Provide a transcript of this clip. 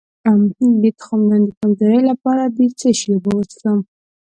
د تخمدان د کمزوری لپاره د څه شي اوبه وڅښم؟